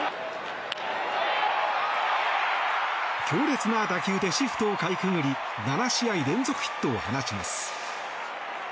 強烈な打球でシフトをかいくぐり７試合連続ヒットを放ちます。